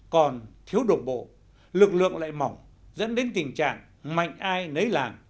còn thiếu độc bộ lực lượng lại mỏng dẫn đến tình trạng mạnh ai nấy làm